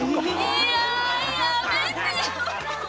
いややめてよ！